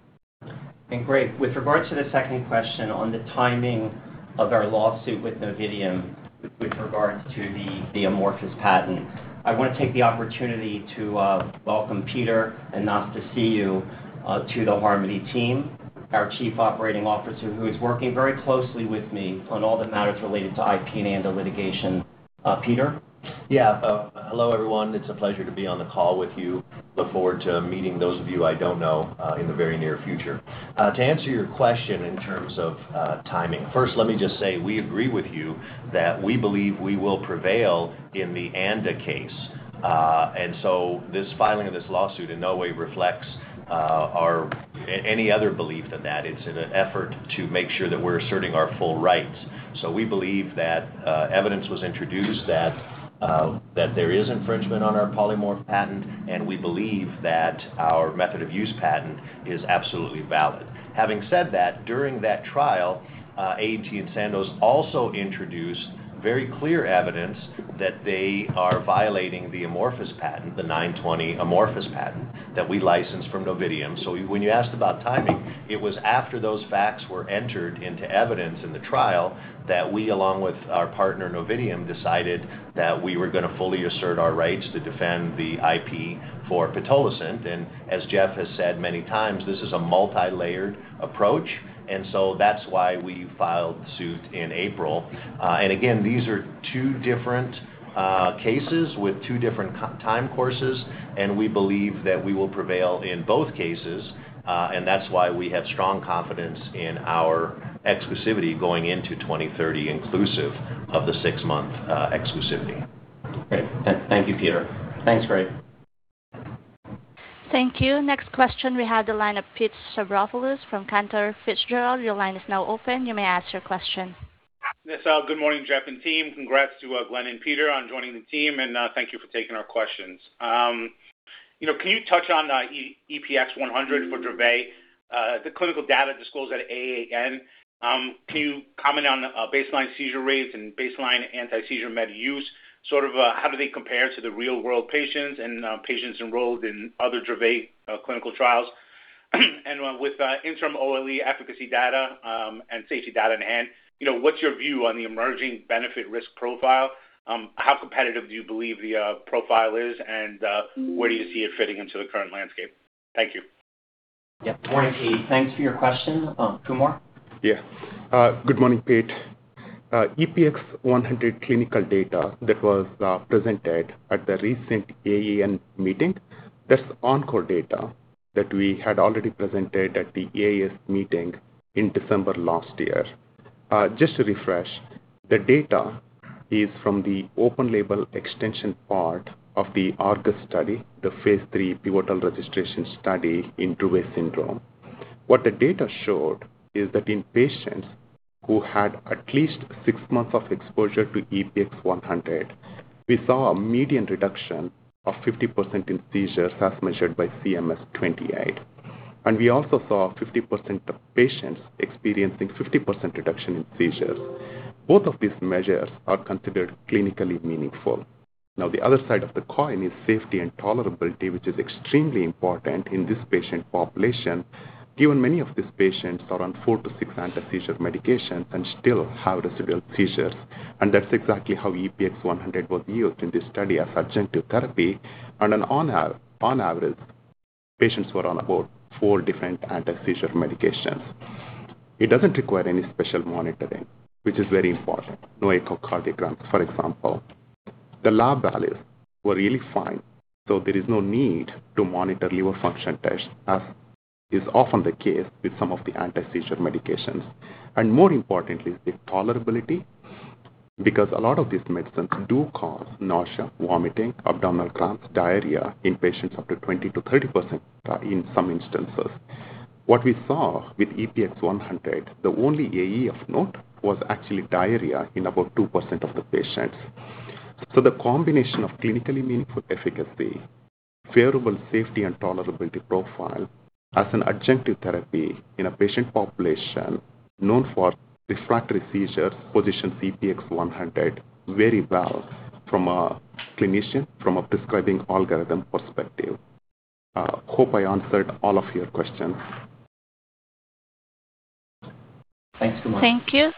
Gregg, with regards to the second question on the timing of our lawsuit with Novitium with regards to the amorphous patent, I wanna take the opportunity to welcome Peter Anastasiou to the Harmony team, our Chief Operating Officer, who is working very closely with me on all the matters related to IP and the litigation. Peter. Yeah. Hello, everyone. It's a pleasure to be on the call with you. Look forward to meeting those of you I don't know in the very near future. To answer your question in terms of timing. First, let me just say we agree with you that we believe we will prevail in the ANDA case. This filing of this lawsuit in no way reflects any other belief than that. It's in an effort to make sure that we're asserting our full rights. We believe that evidence was introduced that That there is infringement on our polymorph patent, and we believe that our method of use patent is absolutely valid. Having said that, during that trial, AET and Sandoz also introduced very clear evidence that they are violating the amorphous patent, the '920 amorphous patent, that we licensed from Novitium. When you asked about timing, it was after those facts were entered into evidence in the trial that we along with our partner, Novitium, decided that we were gonna fully assert our rights to defend the IP for pitolisant. As Jeff has said many times, this is a multi-layered approach. That's why we filed suit in April. Again, these are two different cases with two different time courses and we believe that we will prevail in both cases. That's why we have strong confidence in our exclusivity going into 2030 inclusive of the six-month exclusivity. Great. Thank you, Peter. Thanks, Greg. Thank you. Next question, we have the line of Pete Stavropoulos from Cantor Fitzgerald. Your line is now open. You may ask your question. Yes, good morning, Jeff, and team. Congrats to Glenn and Peter on joining the team, and thank you for taking our questions. You know, can you touch on EPX-100 for Dravet? The clinical data disclosed at AAN. Can you comment on baseline seizure rates and baseline anti-seizure med use? Sort of, how do they compare to the real world patients and patients enrolled in other Dravet clinical trials? With interim OLE efficacy data, and safety data in hand, you know, what's your view on the emerging benefit risk profile? How competitive do you believe the profile is, and where do you see it fitting into the current landscape? Thank you. Good morning, Pete. Thanks for your question. Kumar? Good morning, Pete. EPX-100 clinical data that was presented at the recent AAN meeting, that's encore data that we had already presented at the AES meeting in December last year. Just to refresh, the data is from the open label extension part of the ARGUS study, the phase III pivotal registration study in Dravet syndrome. What the data showed is that in patients who had at least six months of exposure to EPX-100, we saw a median reduction of 50% in seizures as measured by CMS-28. We also saw 50% of patients experiencing 50% reduction in seizures. Both of these measures are considered clinically meaningful. The other side of the coin is safety and tolerability, which is extremely important in this patient population, given many of these patients are on four to six anti-seizure medications and still have residual seizures. That's exactly how EPX-100 was used in this study as adjunctive therapy. On average, patients were on about four different anti-seizure medications. It doesn't require any special monitoring, which is very important. No echocardiograms, for example. The lab values were really fine, so there is no need to monitor liver function tests, as is often the case with some of the anti-seizure medications. More importantly, the tolerability, because a lot of these medicines do cause nausea, vomiting, abdominal cramps, diarrhea in patients up to 20% to 30% in some instances. What we saw with EPX-100, the only AE of note was actually diarrhea in about 2% of the patients. The combination of clinically meaningful efficacy, favorable safety and tolerability profile as an adjunctive therapy in a patient population known for refractory seizures position EPX-100 very well from a clinician, from a prescribing algorithm perspective. Hope I answered all of your questions. Thanks, Kumar. Thank you.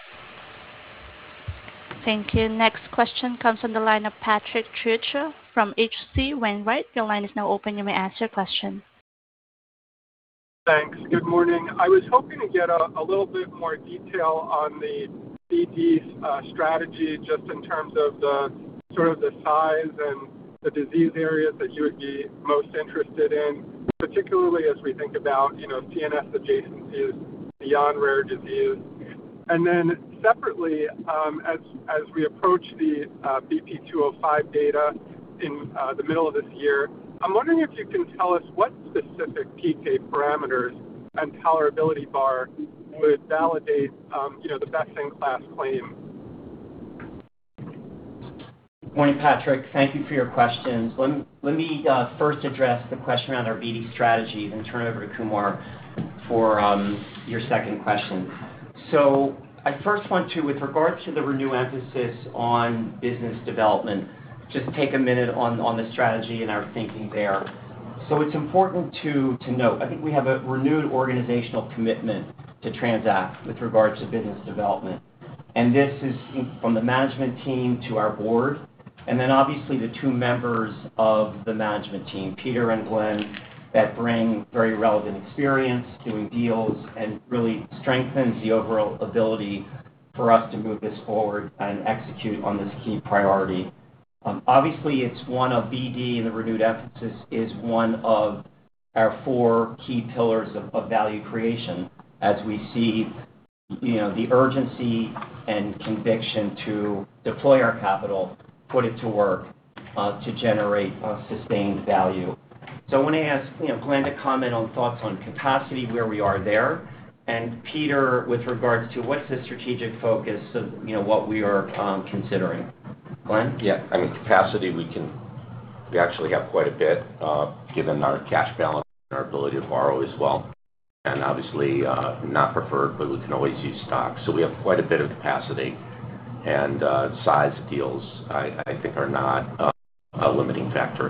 Thank you. Next question comes from the line of Patrick Trucchio from H.C. Wainwright. Your line is now open. You may ask your question. Thanks. Good morning. I was hoping to get a little bit more detail on the BD's strategy, just in terms of the sort of the size and the disease areas that you would be most interested in, particularly as we think about, you know, CNS adjacent diseases beyond rare disease. Separately, as we approach the BP-205 data in the middle of this year, I'm wondering if you can tell us what specific PK parameters and tolerability bar would validate, you know, the best-in-class claim. Morning, Patrick. Thank you for your questions. Let me first address the question on our BD strategy, then turn it over to Kumar for your second question. I first want to, with regard to the renewed emphasis on business development, just take a minute on the strategy and our thinking there. It's important to note, I think we have a renewed organizational commitment to transact with regards to business development. This is from the management team to our board, and then obviously the two members of the management team, Peter and Glenn, that bring very relevant experience doing deals and really strengthens the overall ability for us to move this forward and execute on this key priority. Obviously, it's one of BD, and the renewed emphasis is one of our four key pillars of value creation as we see, you know, the urgency and conviction to deploy our capital, put it to work. To generate sustained value. I wanna ask, you know, Glenn to comment on thoughts on capacity, where we are there. Peter, with regards to what's the strategic focus of, you know, what we are considering. Glenn? Yeah. I mean, capacity we actually have quite a bit, given our cash balance and our ability to borrow as well. Obviously, not preferred, but we can always use stock. We have quite a bit of capacity. Size deals, I think are not a limiting factor.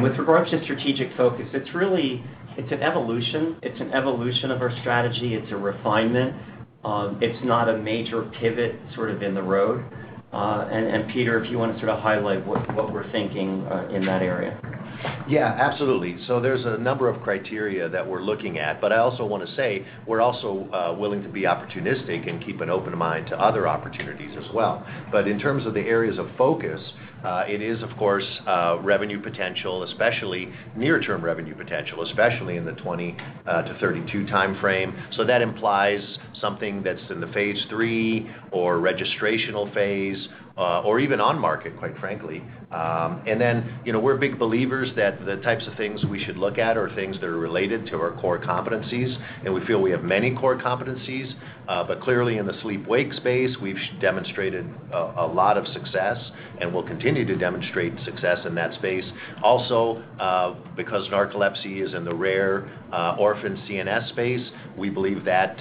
With regards to strategic focus, it's really, it's an evolution. It's an evolution of our strategy. It's a refinement. It's not a major pivot sort of in the road. Peter, if you wanna sort of highlight what we're thinking in that area. Absolutely. There's a number of criteria that we're looking at, but I also wanna say we're also willing to be opportunistic and keep an open mind to other opportunities as well. In terms of the areas of focus, it is of course revenue potential, especially near term revenue potential, especially in the 2032 timeframe. That implies something that's in the phase III or registrational phase, or even on market, quite frankly. You know, we're big believers that the types of things we should look at are things that are related to our core competencies, and we feel we have many core competencies. Clearly in the sleep-wake space, we've demonstrated a lot of success and will continue to demonstrate success in that space. Because Narcolepsy is in the rare orphan CNS space, we believe that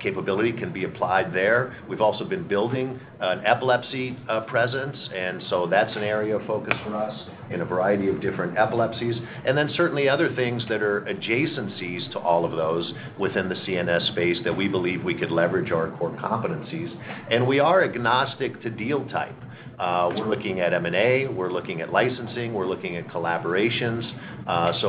capability can be applied there. We've also been building an epilepsy presence, that's an area of focus for us in a variety of different epilepsies. Certainly other things that are adjacencies to all of those within the CNS space that we believe we could leverage our core competencies. We are agnostic to deal type. We're looking at M&A, we're looking at licensing, we're looking at collaborations.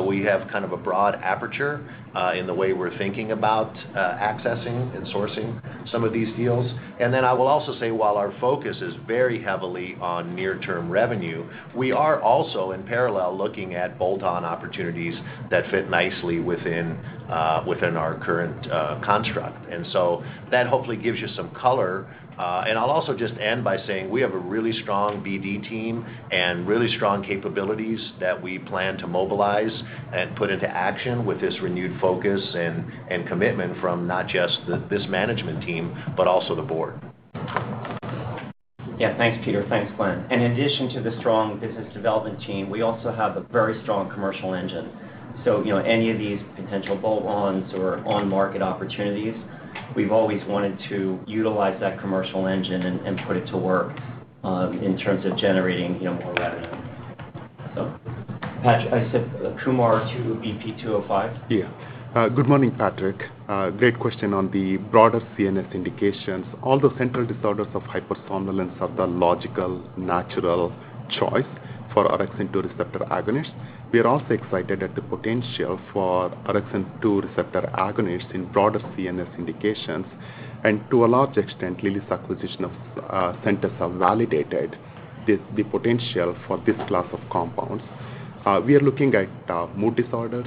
We have kind of a broad aperture in the way we're thinking about accessing and sourcing some of these deals. I will also say, while our focus is very heavily on near term revenue, we are also in parallel looking at bolt-on opportunities that fit nicely within within our current construct. That hopefully gives you some color. I'll also just end by saying we have a really strong BD team and really strong capabilities that we plan to mobilize and put into action with this renewed focus and commitment from not just this management team, but also the board. Yeah. Thanks, Peter. Thanks, Glenn. In addition to the strong business development team, we also have a very strong commercial engine. You know, any of these potential bolt-ons or on-market opportunities, we've always wanted to utilize that commercial engine and put it to work in terms of generating, you know, more revenue. Patrick, I see Kumar to BP-205. Good morning, Patrick. Great question on the broader CNS indications. All the Central Disorders of Hypersomnolence are the logical, natural choice for orexin-2 receptor agonist. We are also excited at the potential for orexin-2 receptor agonist in broader CNS indications. To a large extent, Lilly's acquisition of Centessa have validated the potential for this class of compounds. We are looking at mood disorders,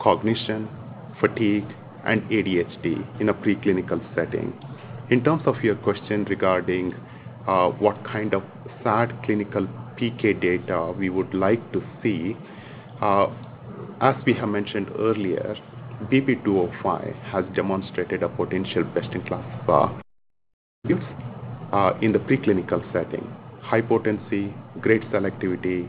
cognition, fatigue, and ADHD in a preclinical setting. In terms of your question regarding what kind of SAD clinical PK data we would like to see, as we have mentioned earlier, BP-205 has demonstrated a potential best-in-class use in the preclinical setting. High potency, great selectivity,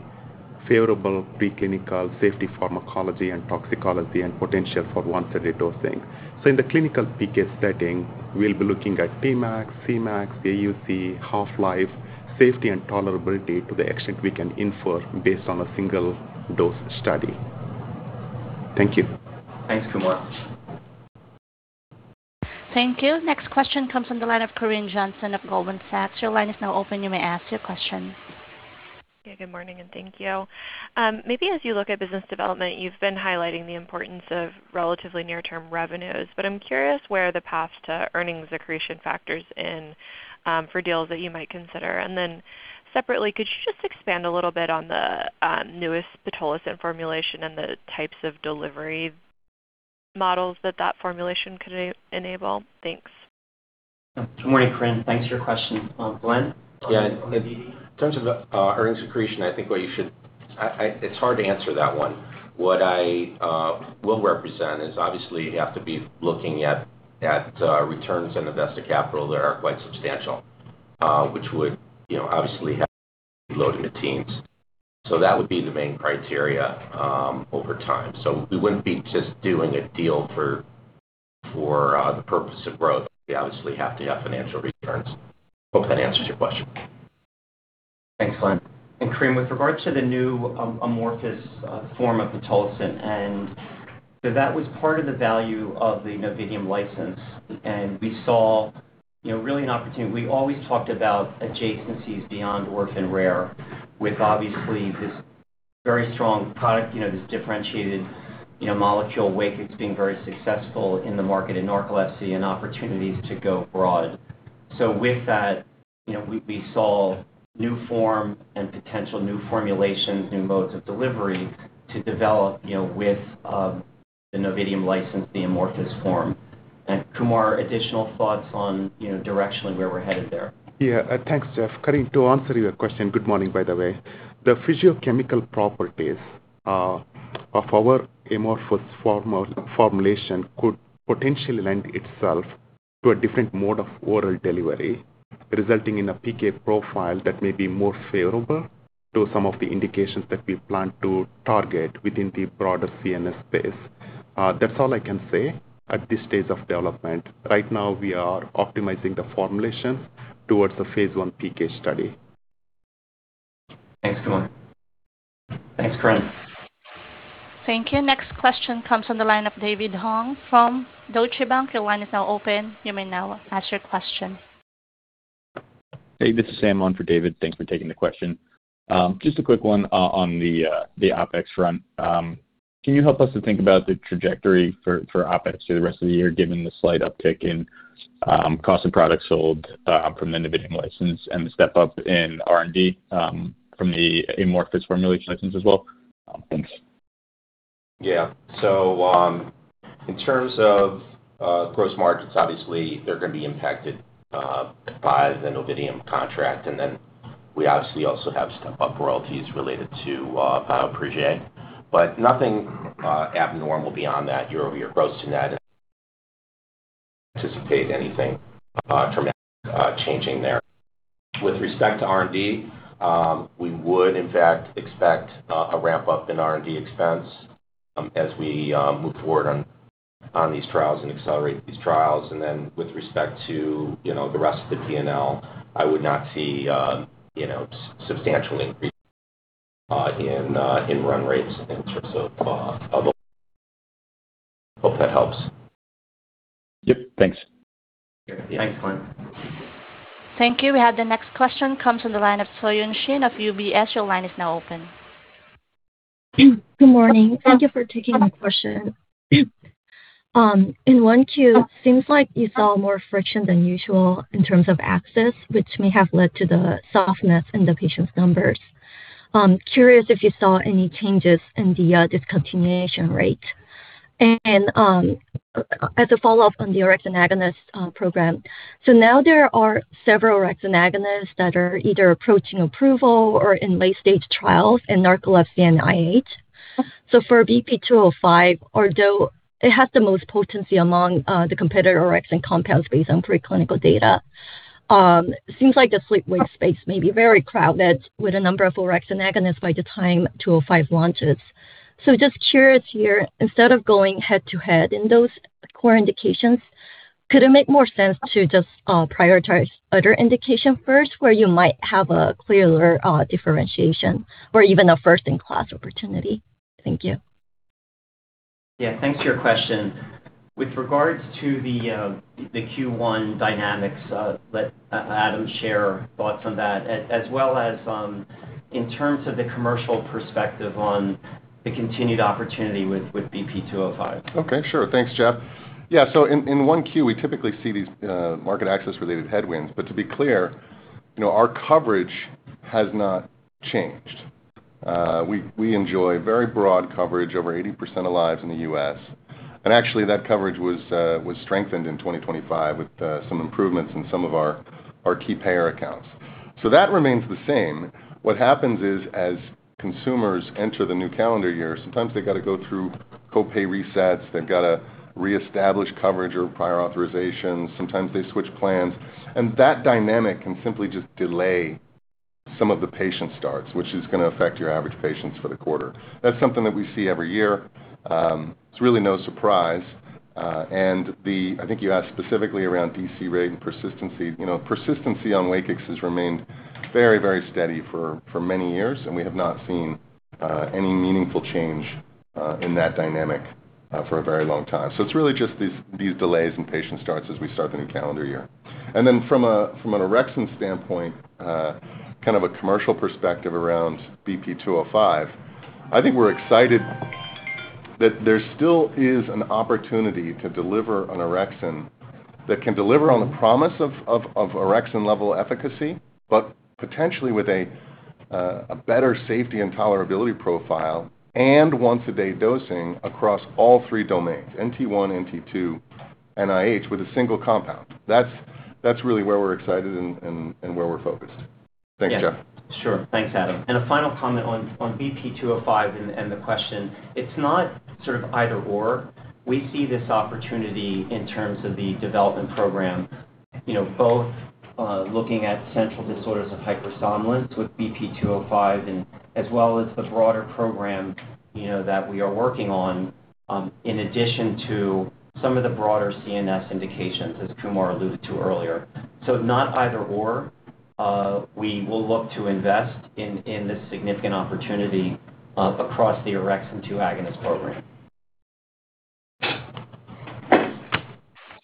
favorable preclinical safety pharmacology and toxicology, and potential for once a day dosing. In the clinical PK setting, we'll be looking at Cmax, Tmax, AUC, half-life, safety and tolerability to the extent we can infer based on a Single Dose study. Thank you. Thanks, Kumar. Thank you. Next question comes from the line of Corinne Johnson of Goldman Sachs. Your line is now open. You may ask your question. Yeah, good morning, and thank you. Maybe as you look at business development, you've been highlighting the importance of relatively near-term revenues, but I'm curious where the path to earnings accretion factors in, for deals that you might consider. Separately, could you just expand a little bit on the newest pitolisant formulation and the types of delivery models that that formulation could enable? Thanks. Good morning, Corinne. Thanks for your question. Glenn? Yeah. In terms of earnings accretion, It's hard to answer that one. What I will represent is obviously you have to be looking at returns on invested capital that are quite substantial which would, you know, obviously have low in the teens. That would be the main criteria over time. We wouldn't be just doing a deal for the purpose of growth. We obviously have to have financial returns. Hope that answers your question. Thanks, Glenn. Corinne, with regard to the new amorphous form of pitolisant, that was part of the value of the Novitium license. We saw, you know, really an opportunity. We always talked about adjacencies beyond orphan rare with obviously this very strong product, you know, this differentiated, you know, molecule WAKIX. It's been very successful in the market in Narcolepsy and opportunities to go broad. With that, you know, we saw new form and potential new formulations, new modes of delivery to develop, you know, with the Novitium license, the amorphous form. Kumar, additional thoughts on, you know, directionally where we're headed there. Yeah, thanks, Jeff. Corinne, to answer your question, good morning, by the way. The physiochemical properties of our amorphous formulation could potentially lend itself to a different mode of oral delivery, resulting in a PK profile that may be more favorable to some of the indications that we plan to target within the broader CNS space. That's all I can say at this stage of development. Right now, we are optimizing the formulation towards the phase I PK study. Thanks, Kumar. Thanks, Corinne. Thank you. Next question comes from the line of David Hong from Deutsche Bank. Hey, this is Sam on for David. Thanks for taking the question. Just a quick one on the OpEx front. Can you help us to think about the trajectory for OpEx through the rest of the year, given the slight uptick in cost of products sold from the Novitium license and the step-up in R&D from the amorphous formulation license as well? Thanks. In terms of gross margins, obviously they're gonna be impacted by the Novitium contract. We obviously also have step-up royalties related to Bioprojet. Nothing abnormal beyond that year-over-year gross net. Anticipate anything tremendous changing there. With respect to R&D, we would in fact expect a ramp-up in R&D expense as we move forward on these trials and accelerate these trials. With respect to, you know, the rest of the P&L, I would not see, you know, substantial increase in run rates. Hope that helps. Yep. Thanks. Yeah. Thanks, Sam. Thank you. We have the next question comes from the line of Soyoon Shin of UBS. Your line is now open. Good morning. Thank you for taking my question. In Q1, seems like you saw more friction than usual in terms of access which may have led to the softness in the patient's numbers. Curious if you saw any changes in the discontinuation rate. As a follow-up on the orexin agonist program, now there are several orexin agonists that are either approaching approval or in late-stage trials in Narcolepsy and IH. For BP-205, although it has the most potency among the competitor orexin compounds based on preclinical data, seems like the sleep-wake space may be very crowded with a number of orexin agonists by the time 205 launches. Just curious here, instead of going head-to-head in those core indications, could it make more sense to just prioritize other indication first, where you might have a clearer differentiation or even a first-in-class opportunity? Thank you. Yeah, thanks for your question. With regards to the Q1 dynamics, let Adam share thoughts on that as well as, in terms of the commercial perspective on the continued opportunity with BP-205. Okay, sure. Thanks, Jeff. In Q1, we typically see these market access related headwinds. To be clear, you know, our coverage has not changed. We enjoy very broad coverage, over 80% of lives in the U.S. Actually, that coverage was strengthened in 2025 with some improvements in some of our key payer accounts. That remains the same. What happens is, as consumers enter the new calendar year, sometimes they gotta go through co-pay resets, they've gotta reestablish coverage or prior authorizations. Sometimes they switch plans. That dynamic can simply just delay some of the patient starts, which is gonna affect your average patients for the quarter. That's something that we see every year. It's really no surprise. You asked specifically around DC rate and persistency. You know, persistency on WAKIX has remained very steady for many years, and we have not seen any meaningful change in that dynamic for a very long time. It's really just these delays in patient starts as we start the new calendar year. From an orexin standpoint, kind of a commercial perspective around BP-205, I think we're excited that there still is an opportunity to deliver an orexin that can deliver on the promise of orexin-level efficacy, but potentially with a better safety and tolerability profile and once-a-day dosing across all three domains, NT1, NT2, IH, with a single compound. That's really where we're excited and where we're focused. Thanks, Jeff. Yeah. Sure. Thanks, Adam. A final comment on BP-205 and the question. It's not sort of either/or. We see this opportunity in terms of the development program, both looking at Central Disorders of Hypersomnolence with BP-205 and as well as the broader program that we are working on, in addition to some of the broader CNS indications, as Kumar alluded to earlier. Not either/or. We will look to invest in this significant opportunity across the orexin-2 agonist program.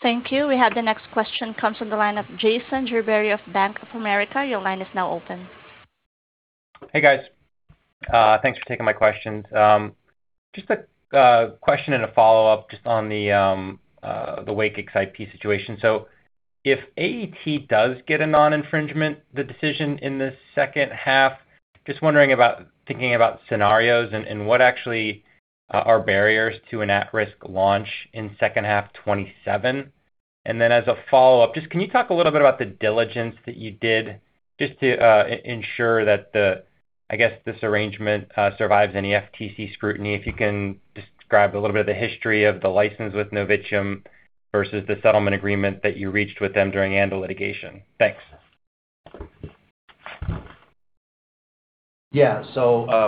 Thank you. We have the next question comes from the line of Jason Gerberry of Bank of America. Your line is now open. Hey, guys. Thanks for taking my questions. Just a question and a follow-up just on the WAKIX IP situation. If AET does get a non-infringement, the decision in the second half, just wondering about, thinking about scenarios and what actually are barriers to an at-risk launch in second half 2027. Then as a follow-up, just can you talk a little bit about the diligence that you did just to ensure that the I guess this arrangement survives any FTC scrutiny. If you can describe a little bit of the history of the license with Novitium versus the settlement agreement that you reached with them during ANDA litigation. Thanks. Yeah.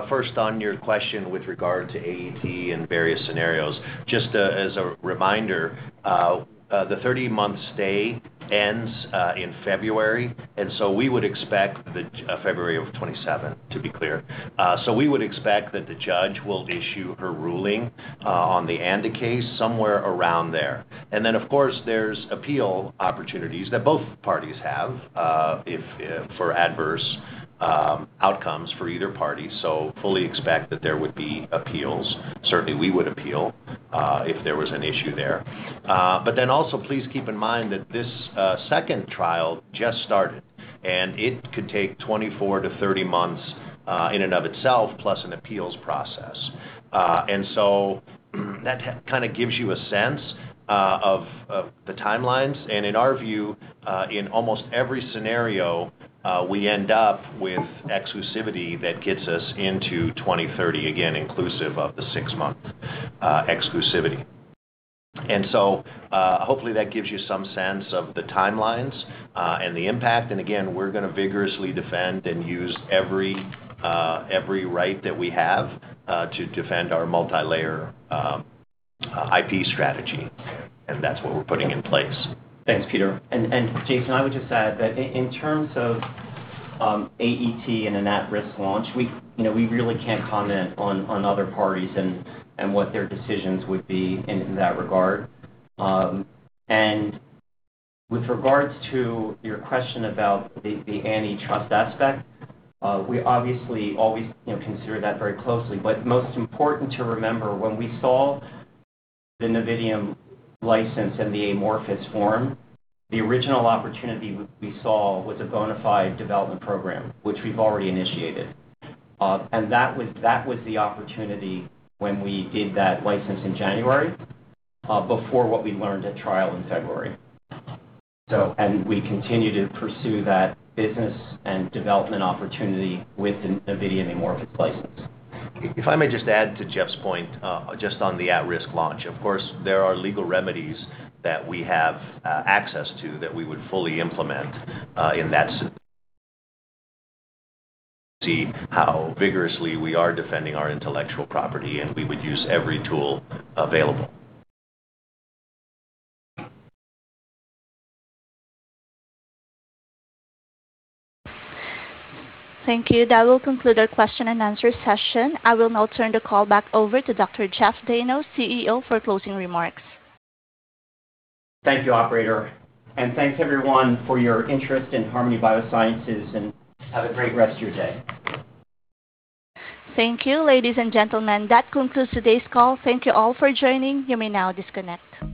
First on your question with regard to AET and various scenarios. Just as a reminder, the 30-month stay ends in February, and we would expect the February of 2027, to be clear. We would expect that the judge will issue her ruling on the ANDA case somewhere around there. Then, of course, there's appeal opportunities that both parties have, if for adverse outcomes for either party. Fully expect that there would be appeals. Certainly, we would appeal, if there was an issue there. Also, please keep in mind that this second trial just started and it could take 24 to 30 months in and of itself, plus an appeals process. That kind of gives you a sense of the timelines. In our view, in almost every scenario, we end up with exclusivity that gets us into 2030, again, inclusive of the six-month exclusivity. Hopefully, that gives you some sense of the timelines and the impact. Again, we're gonna vigorously defend and use every right that we have to defend our multilayer IP strategy. That's what we're putting in place. Thanks, Peter. Jason, I would just add that in terms of AET and an at-risk launch, we, you know, we really can't comment on other parties and what their decisions would be in that regard. With regards to your question about the antitrust aspect, we obviously always, you know, consider that very closely. Most important to remember, when we saw the Novitium license and the amorphous form, the original opportunity we saw was a bona fide development program which we've already initiated. That was the opportunity when we did that license in January, before what we learned at trial in February. We continue to pursue that business and development opportunity with the Novitium amorphous license. If I may just add to Jeff's point, just on the at-risk launch. Of course, there are legal remedies that we have access to that we would fully implement. See how vigorously we are defending our Intellectual Property, and we would use every tool available. Thank you. That will conclude our question and answer session. I will now turn the call back over to Dr. Jeffrey Dayno, CEO, for closing remarks. Thank you, operator. Thanks, everyone, for your interest in Harmony Biosciences, and have a great rest of your day. Thank you, ladies and gentlemen. That concludes today's call. Thank you all for joining. You may now disconnect.